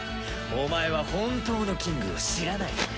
お前は本当のキングを知らない。